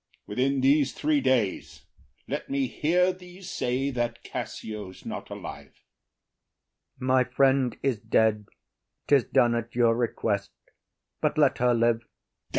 Within these three days let me hear thee say That Cassio’s not alive. IAGO. My friend is dead. ’Tis done at your request. But let her live.